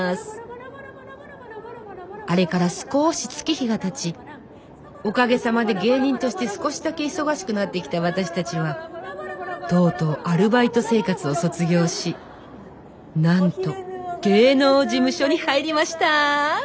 あれから少し月日がたちおかげさまで芸人として少しだけ忙しくなってきた私たちはとうとうアルバイト生活を卒業しなんと芸能事務所に入りました。